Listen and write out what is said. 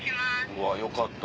うわよかった。